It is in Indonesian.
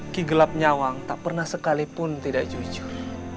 ki gelap nyawang tak pernah sekalipun tidak jujur